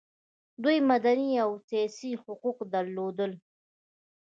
دوی مدني او سیاسي حقوق درلودل.